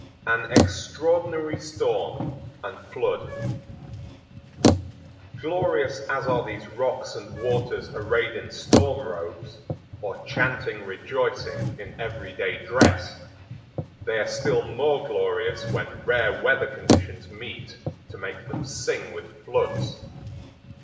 An Extraordinary Storm And Flood Glorious as are these rocks and waters arrayed in storm robes, or chanting rejoicing in every day dress, they are still more glorious when rare weather conditions meet to make them sing with floods.